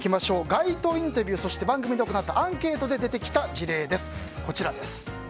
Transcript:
街頭インタビュー、そして番組で行ったアンケートで出てきた事例です。